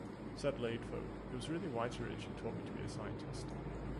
Said Ladefoged, It was really Whitteridge who taught me to be a scientist.